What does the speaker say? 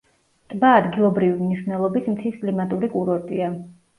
ტბა ადგილობრივი მნიშვნელობის მთის კლიმატური კურორტია.